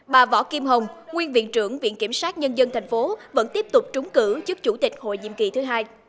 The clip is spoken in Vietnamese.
bà võ kim hồng nguyên viện trưởng viện kiểm sát nhân dân thành phố vẫn tiếp tục trúng cử trước chủ tịch hội diệm kỳ thứ hai